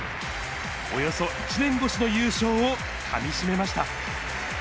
およそ１年越しの優勝をかみ締めました。